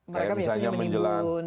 mereka biasanya menimbun